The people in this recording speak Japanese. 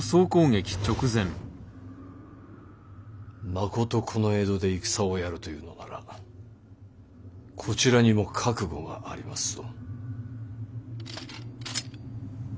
まことこの江戸で戦をやるというのならこちらにも覚悟がありますぞ。